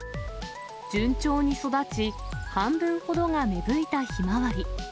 順調に育ち、半分ほどが芽吹いたヒマワリ。